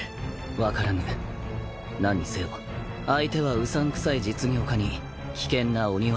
分からぬ何にせよ相手はうさんくさい実業家に危険な御庭番衆。